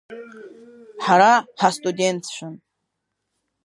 Ҳара ҳастудентцәан.